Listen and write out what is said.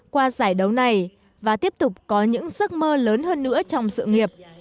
qua giải đấu này và tiếp tục có những giấc mơ lớn hơn nữa trong sự nghiệp